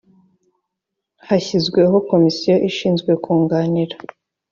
hashyizweho komisiyo ishinzwe kunganira